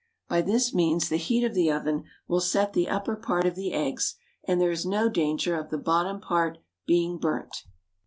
By this means the heat of the oven will set the upper part of the eggs, and there is no danger of the bottom part being burnt.